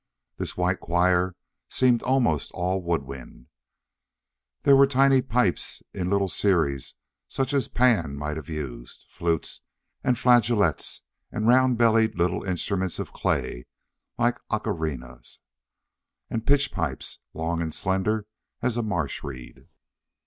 This white choir seemed almost all wood wind. There were tiny pipes in little series such as Pan might have used. Flutes, and flageolets; and round bellied little instruments of clay, like ocarinas. And pitch pipes, long and slender as a marsh reed.